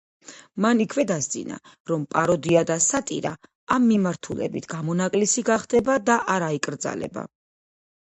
მან იქვე დასძინა, რომ პაროდია და სატირა ამ მიმართულებით გამონაკლისი გახდება და არ აიკრძალება.